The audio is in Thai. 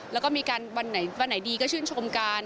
แล้วก็มีการวันไหนดีก็ชื่นชมกัน